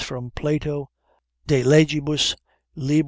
Plato de Leg., lib.